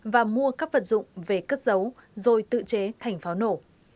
và mua các vật dụng về cất giấu rồi tự chế thành pháo nổ